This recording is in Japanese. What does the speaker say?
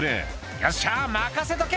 「よっしゃ任せとけ！」